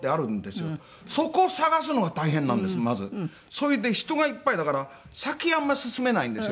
それで人がいっぱいだから先へあんまり進めないんですよね。